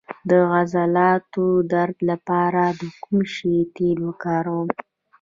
د عضلاتو درد لپاره د کوم شي تېل وکاروم؟